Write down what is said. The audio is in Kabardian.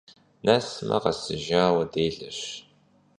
Nesme khesijjaue dêleş.